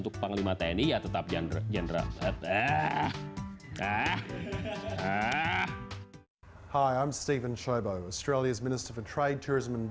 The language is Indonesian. karena arti distribusi